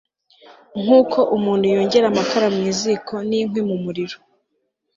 nk'uko umuntu yongera amakara mu ziko n'inkwi mu muriro